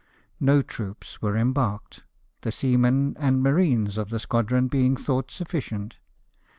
No troops were embarked, the seamen and marines of the squadron being thought sufficient.